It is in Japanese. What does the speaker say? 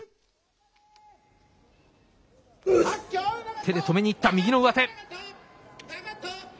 手で止めにいった、右の上手。